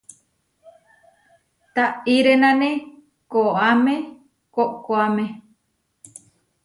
Taʼirénane koʼáme koʼkoáme.